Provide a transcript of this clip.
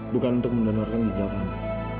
bukan untuk mendonorkan ginjal kamu